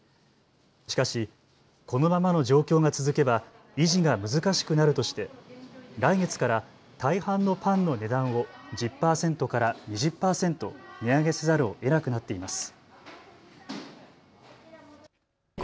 しかし、このままの状況が続けば維持が難しくなるとして来月から大半のパンの値段を１０％から２０％値上げせざるをえなくなっています。